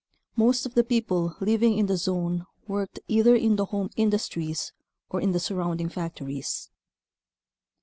Most of the people living in the zone worked either in the home industries or in the surrounding factories.